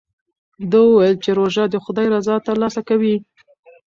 ده وویل چې روژه د خدای رضا ترلاسه کوي.